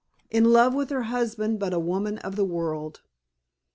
In love with her husband but a woman of the world.